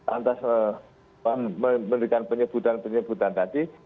antas memberikan penyebutan penyebutan tadi